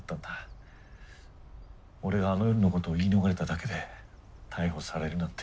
俺があの夜のことを言い逃れただけで逮捕されるなんて。